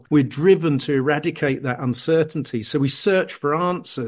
kita berpengaruh untuk menghilangkan kebenaran itu